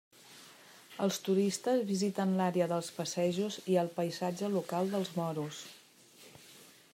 Els turistes visiten l'àrea pels passejos i el paisatge local dels moros.